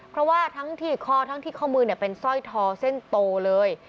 เพราะว่าทั้งที่คอทั้งที่ข้อมือเป็นสร้อยทอเส้นโตเลย